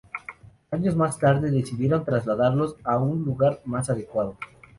Años más tarde, decidieron trasladarlos a un lugar más adecuado.